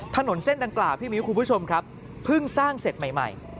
ถนนเส้นดังกล่าวพี่มิวครับคุณผู้ชมเพิ่งสร้างเสร็จใหม่